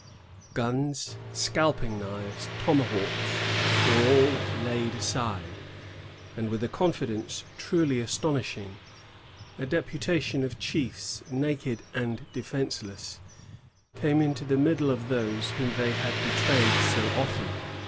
Guns, scalping knives, tomahawks, were all laid aside; and, with a confidence truly astonishing, a deputation of chiefs, naked and defenceless, came into the midst of those 1668.] PACIFIC OVERTUREa 67 whom they had betrayed so often.